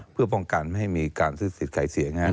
เพื่อป้องกันไม่มีการซื้อเสียงใครเสียงนะครับ